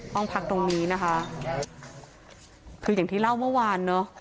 ห้องพักตรงนี้นะคะคืออย่างที่เล่าเมื่อวานเนอะ